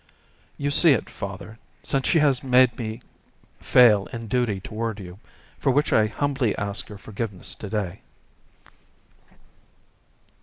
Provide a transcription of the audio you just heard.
"You see it, father, since she has made me fail in duty toward you, for which I humbly ask your forgiveness to day."